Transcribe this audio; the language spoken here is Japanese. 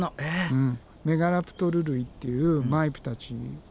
うん。